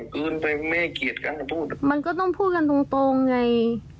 เกินไปแม่เกลียดกันก็พูดมันก็ต้องพูดกันตรงตรงไง